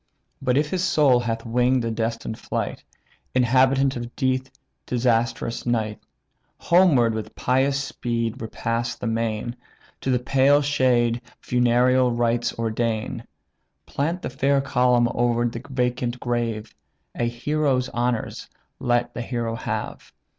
But if his soul hath wing'd the destined flight, Inhabitant of deep disastrous night; Homeward with pious speed repass the main, To the pale shade funereal rites ordain, Plant the fair column o'er the vacant grave, A hero's honours let the hero have.